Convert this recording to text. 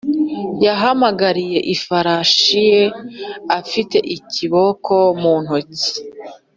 yahamagariye ifarashi ye afite ikiboko mu ntoki.